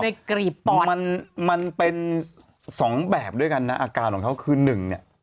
กรีบปอดมันมันเป็นสองแบบด้วยกันนะอาการของเขาคือหนึ่งเนี่ย